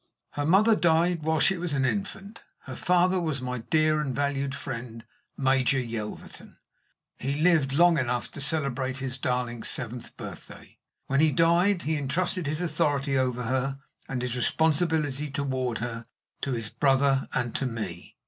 Her mother died while she was an infant; her father was my dear and valued friend, Major Yelverton. He lived long enough to celebrate his darling's seventh birthday. When he died he intrusted his authority over her and his responsibility toward her to his brother and to me.